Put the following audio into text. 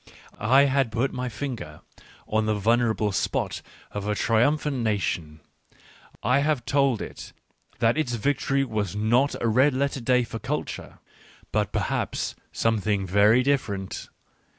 I had put my finger on the vulnerable spot of a triumphant nation — I had told it that its victory was not a red letter day for culture, but, perhaps, something very different.